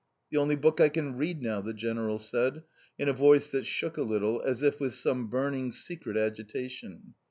"The only book I can read now!" the General said, in a voice that shook a little, as if with some burning secret agitation.